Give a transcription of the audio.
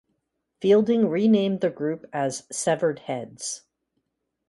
Fielding renamed the group as Severed Heads.